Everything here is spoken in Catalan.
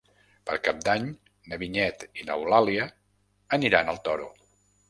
Per Cap d'Any na Vinyet i n'Eulàlia aniran al Toro.